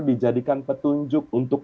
dijadikan petunjuk untuk